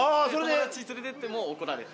友達連れてっても怒られて。